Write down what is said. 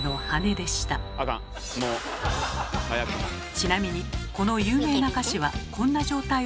ちなみにこの有名な歌詞はこんな状態を表しています。